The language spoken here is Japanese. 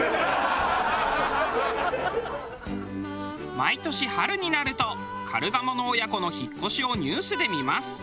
毎年春になるとカルガモの親子の引っ越しをニュースで見ます。